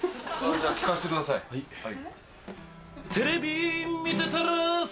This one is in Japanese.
じゃあ聞かせてください。ハハハ。